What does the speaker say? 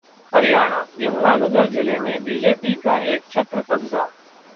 हरियाणा: यमुनानगर जिले में बीजेपी का एकछत्र कब्जा